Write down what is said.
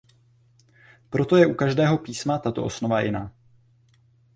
Proto je u každého písma tato osnova jiná.